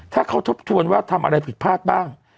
ถ้าเขาทบทวนว่าทำอะไรผิดพลาดบ้าง